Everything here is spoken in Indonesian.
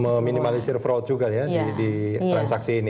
meminimalisir fraud juga ya di transaksi ini